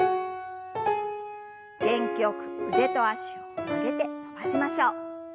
元気よく腕と脚を曲げて伸ばしましょう。